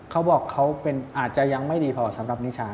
เขาบอกเขาอาจจะยังไม่ดีพอสำหรับนิชา